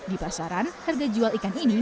di pasaran harga jual ikan ini